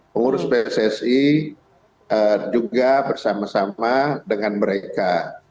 pengurus pssi juga bersama sama dengan mereka